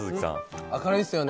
明るいですよね